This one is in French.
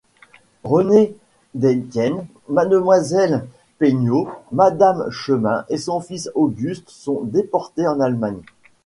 René Dedienne, Mademoiselle Peignaud, Madame Chemin et son fils Auguste sont déportés en Allemagne.